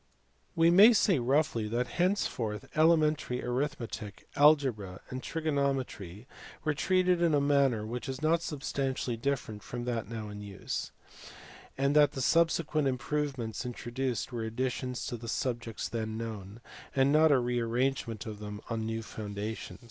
We may say roughly that henceforth elementary arith metic, algebra, and trigonometry were treated in a manner which is not substantially different from that now in use ; and that the subsequent improvements introduced were additions to the subjects as then known, and not a re arrangement of them on new foundations.